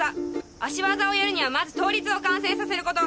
脚技をやるにはまず倒立を完成させること。